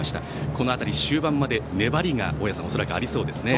この辺り、終盤まで粘りがありそうですね。